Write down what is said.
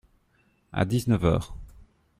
À dix-neuf heures.